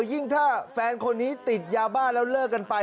ยิ่งถ้าแฟนคนนี้ติดยาบ้าแล้วเลิกกันไป